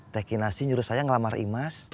tegi nasi nyuruh saya ngelamar imas